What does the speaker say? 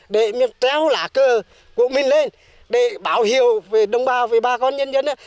để mình treo lá cơ của mình lên để bảo hiệu về đồng bào về ba con nhân dân